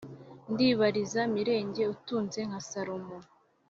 ndibariza mirenge utunze nka salomo